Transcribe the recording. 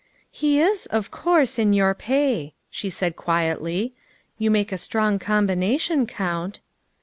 " He is, of course, in your pay," she said quietly. '' You make a strong combination, Count.